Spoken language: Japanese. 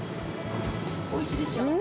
おいしいでしょ？